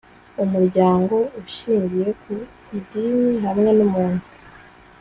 umuryango ushingiye ku idini hamwe n umuntu